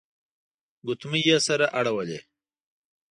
ګوتمۍ يې سره اړولې.